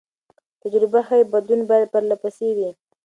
تجربه ښيي بدلون باید پرله پسې وي.